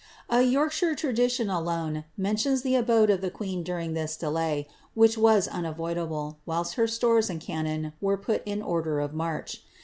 A Yorkshire tradition alone mentions the abode of the queen durinf this delay, which was unavoidable, whilst her stores and cannon were put in order of march.